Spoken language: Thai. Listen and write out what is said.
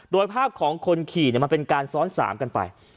โดยภาพของคนขี่มันเป็นการซ้อน๓กันไป